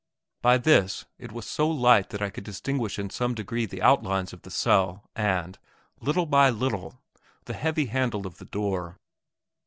By this it was so light that I could distinguish in some degree the outlines of the cell and, little by little, the heavy handle of the door.